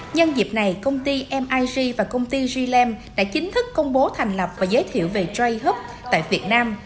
nhân dịp này công ty mig và công ty glem đã chính thức công bố thành lập và giới thiệu về trai hub tại việt nam